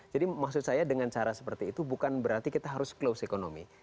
jadi maksud saya dengan cara seperti itu bukan berarti kita harus closed economy